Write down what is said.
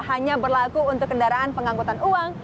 hanya berlaku untuk kendaraan pengangkutan uang